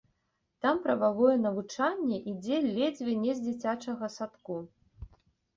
Там прававое навучанне ідзе ледзьве не з дзіцячага садку.